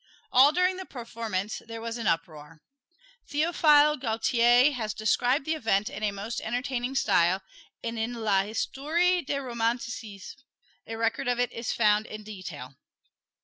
All during the performance there was an uproar. Theophile Gautier has described the event in most entertaining style, and in "L'Historie de Romanticisme" the record of it is found in detail.